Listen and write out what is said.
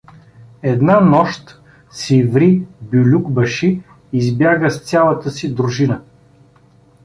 Една нощ Сиври билюкбаши избяга с цялата си дружина.